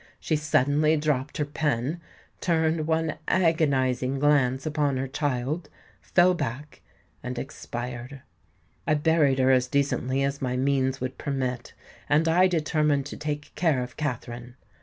"She suddenly dropped her pen, turned one agonising glance upon her child, fell back, and expired. I buried her as decently as my means would permit; and I determined to take care of Katherine.